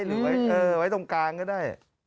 หรือไว้ตรงกลางก็ได้